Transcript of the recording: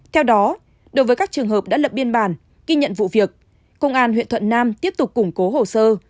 theo đó đối với các trường hợp đã lập biên bản ghi nhận vụ việc công an huyện thuận nam tiếp tục củng cố hồ sơ